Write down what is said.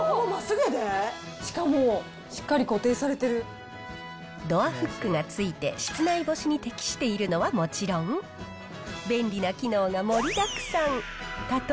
しかもしっかり固定されてるドアフックがついて、室内干しに適しているのはもちろん、便利な機能が盛りだくさん。